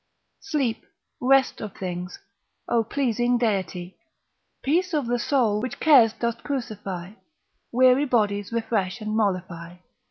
Sleep, rest of things, O pleasing deity, Peace of the soul, which cares dost crucify, Weary bodies refresh and mollify.